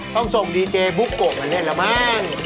ต้องส่งดีเจบุ๊กโกะมาเล่นละมั้ง